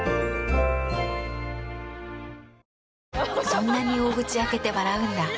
そんなに大口開けて笑うんだ。